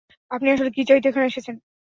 আপনি আসলে কী চাইতে এখানে এসেছেন?